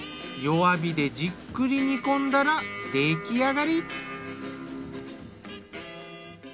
弱火でじっくり煮込んだら出来上がり。